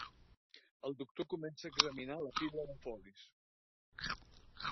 El doctor comença a examinar la pila de folis.